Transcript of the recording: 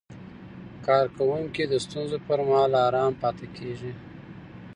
کارکوونکي د ستونزو پر مهال آرام پاتې کېږي.